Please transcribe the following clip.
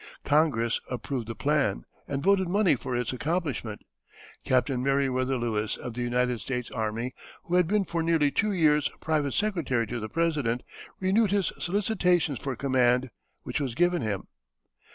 Congress approved the plan and voted money for its accomplishment. Captain Meriwether Lewis, of the United States Army, who had been for nearly two years private secretary to the President, renewed his solicitations for command, which was given him.